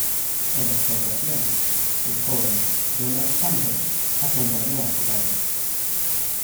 En esta ocasión, el joven Donald Campbell acompañó a su padre.